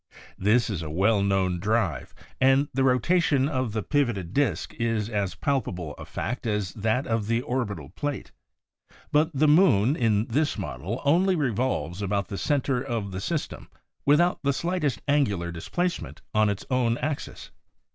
This is a well known drive, and the rotation ' of the pivoted disk is as palpable a fact as that of the orbital plate. But, the moon in this model only revolves about the center of the system without the slightest angular dis placement on its own axis.